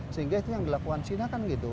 sehingga itu yang dilakukan china kan gitu